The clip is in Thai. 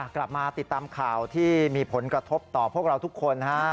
กลับมาติดตามข่าวที่มีผลกระทบต่อพวกเราทุกคน